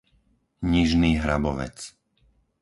Nižný Hrabovec